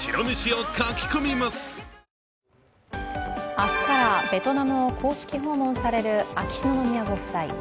明日からベトナムを公式訪問される秋篠宮ご夫妻。